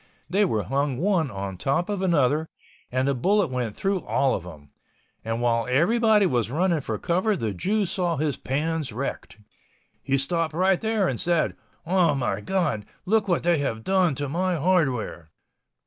They were hung one on top of another, and the bullet went through all of them. And while everyone was running for cover the Jew saw his pans wrecked. He stopped right there and said, "Oh my God, look at what they have done to my hardware."